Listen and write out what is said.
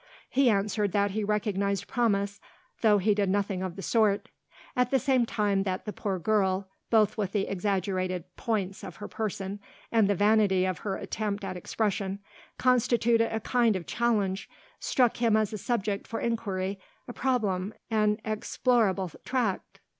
He answered that he recognised promise, though he did nothing of the sort; at the same time that the poor girl, both with the exaggerated "points" of her person and the vanity of her attempt at expression, constituted a kind of challenge, struck him as a subject for inquiry, a problem, an explorable tract.